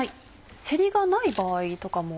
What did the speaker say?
せりがない場合とかも。